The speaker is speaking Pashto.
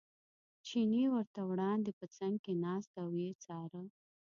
چیني ورته وړاندې په څنګ کې ناست او یې څاره.